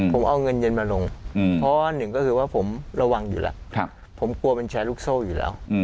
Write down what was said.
ผมเอาเงินเย็นมาลงเพราะว่าหนึ่งก็คือว่าผมระวังอยู่แล้วผมกลัวมันแชร์ลูกโซ่อยู่แล้ว